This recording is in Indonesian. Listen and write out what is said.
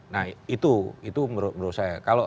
nah itu menurut saya